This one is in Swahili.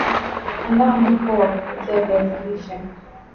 andaa mwiko wa kupikia viazi lishe